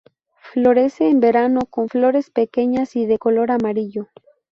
Florece en verano, con flores pequeñas y de color amarillo.